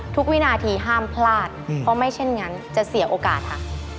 วินาทีห้ามพลาดเพราะไม่เช่นนั้นจะเสียโอกาสค่ะ